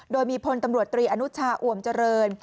โดยมีพลตำรวจตรีอนุชาอวมเจริญ